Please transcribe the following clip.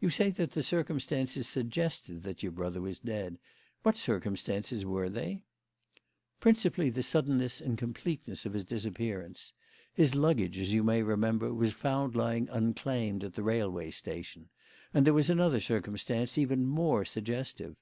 "You say that the circumstances suggested that your brother was dead. What circumstances were they?" "Principally the suddenness and completeness of the disappearance. His luggage, as you may remember, was found lying unclaimed at the railway station; and there was another circumstance even more suggestive.